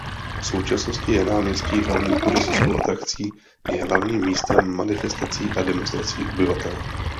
V současnosti je náměstí hlavní turistickou atrakcí i hlavním místem manifestací a demonstrací obyvatel.